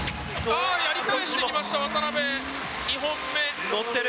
やり返してきました、渡邉、２本目！